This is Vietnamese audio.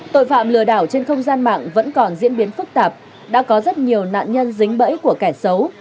tội phạm lừa đảo trên không gian mạng vẫn còn diễn biến phức tạp đã có rất nhiều nạn nhân dính bẫy của kẻ xấu